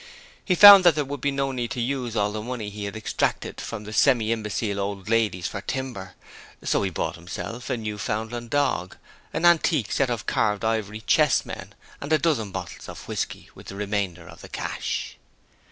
He found that there would be no need to use all the money he had extracted from the semi imbecile old ladies for timber, so he bought himself a Newfoundland dog, an antique set of carved ivory chessmen, and a dozen bottles of whisky with the remainder of the cash.